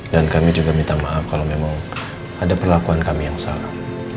dan kami juga minta maaf kalau memang ada perlakuan kami yang salah